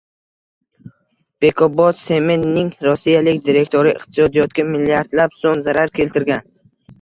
“Bekobodsement”ning rossiyalik direktori iqtisodiyotga milliardlab so‘m zarar keltirgan